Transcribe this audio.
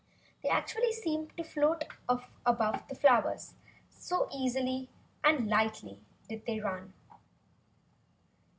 They actually seemed to float off above the flowers, so lightly and easily did they run.